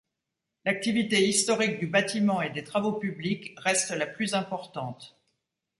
L'activité historique du bâtiment et des travaux publics reste la plus importante.